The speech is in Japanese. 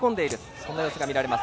そんな様子が見られます。